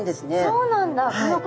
そうなんだ。